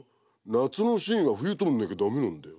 「冬のシーンは夏撮んなきゃ駄目なんだよ」